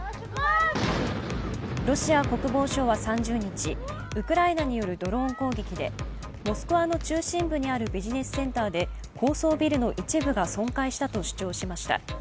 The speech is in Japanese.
ロシア国防省は３０日、ウクライナによるドローン攻撃でモスクワの中心部にあるビジネスセンターで高層ビルの一部が損壊したと主張しました。